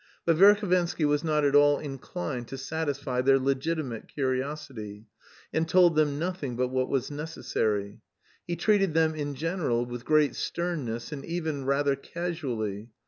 But Verhovensky was not at all inclined to satisfy their legitimate curiosity, and told them nothing but what was necessary; he treated them in general with great sternness and even rather casually.